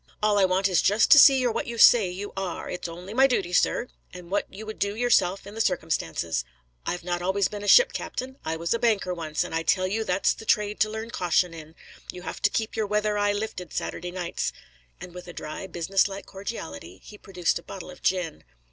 All I want is just to see you're what you say you are; it's only my duty, sir, and what you would do yourself in the circumstances. I've not always been a ship captain: I was a banker once, and I tell you that's the trade to learn caution in. You have to keep your weather eye lifting Saturday nights." And with a dry, business like cordiality, he produced a bottle of gin.